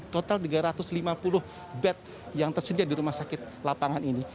total tiga ratus lima puluh bed yang tersedia di rumah sakit lapangan ini